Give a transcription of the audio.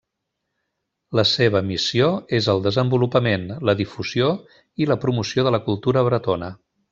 La seva missió és el desenvolupament, la difusió i la promoció de la cultura bretona.